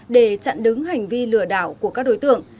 để chặn đứng hành vi lừa đảo của các đối tượng